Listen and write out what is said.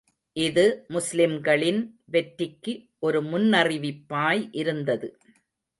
இது முஸ்லிம்களின் வெற்றிக்கு, ஒரு முன்னறிவிப்பாய் இருந்தது.